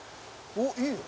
おっいいよ。